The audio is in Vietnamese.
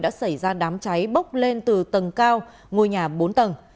đã xảy ra đám cháy bốc lên từ tầng cao ngôi nhà bốn tầng